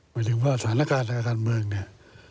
หมายถึงว่าสถานการณ์ทางการเมืองเนี่ย